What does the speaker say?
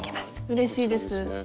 うれしいです。